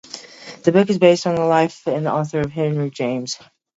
The book is based on the life of the author Henry James.